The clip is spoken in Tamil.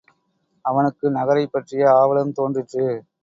அவனுக்கு நகரைப்பற்றிய ஆவலும் தோன்றிற்று.